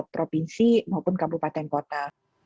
provinsi maupun kabupaten kota